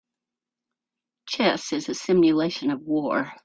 Chess is a simulation of war.